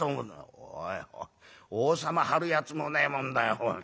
「おいおい王様張るやつもねえもんだよおい。